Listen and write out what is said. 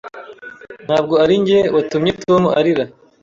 Ntabwo ari njye watumye Tom arira.